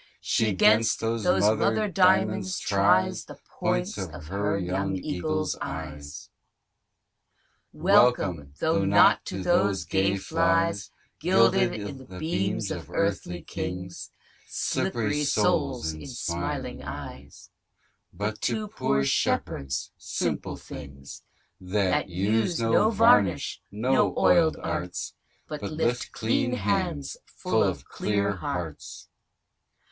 She 'gainst those mother diamonds tries The points of her young eagle's eyes. Welcome, (though not to those gay flies Guilded i'th' beams of earthly kings Slippery souls in smiling eyes) But to poor Shepherds, simple things, That use no varnish, no oil'd arts, But lift clean hands full of clear hearts.